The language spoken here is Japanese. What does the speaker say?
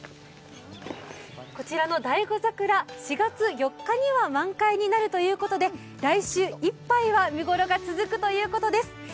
こちらの醍醐桜、４月４日には満開になるということで、来週いっぱいは見頃が続くということです。